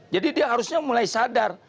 jadi dia harusnya mulai sadar